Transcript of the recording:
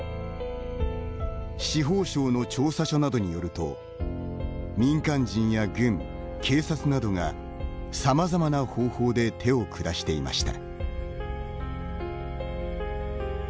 司法省の調査書などによると民間人や軍、警察などがさまざまな方法で手を下していました。